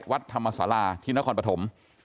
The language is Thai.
วัดธรรมศาลาที่นครปฐม